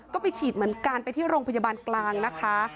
ก็ไปฉีดเหมือนกันไปที่โรงพยาบาลกลางนะคะ